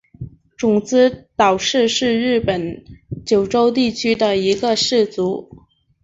种子岛氏是日本九州地区的一个氏族。